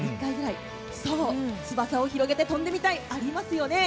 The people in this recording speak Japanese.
そう、翼を広げて飛んでみたい、ありますよね。